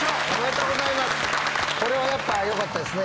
これはよかったですね。